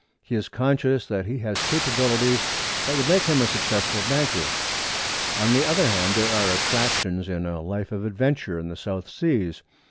He is conscious that he has capacities that would make him a successful banker. On the other hand, there are attractions in a life of adventure in the South Seas.